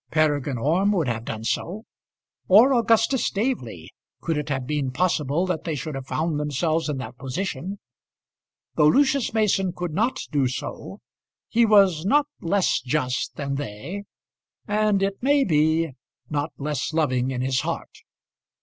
Peregrine Orme would have done so, or Augustus Staveley, could it have been possible that they should have found themselves in that position. Though Lucius Mason could not do so, he was not less just than they, and, it may be, not less loving in his heart.